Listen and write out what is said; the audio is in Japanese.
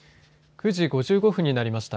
９時５５分になりました。